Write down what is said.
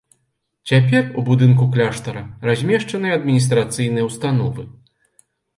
Цяпер у будынку кляштара размешчаныя адміністрацыйныя ўстановы.